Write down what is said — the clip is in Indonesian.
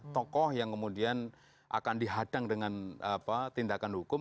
tokoh yang kemudian akan dihadang dengan tindakan hukum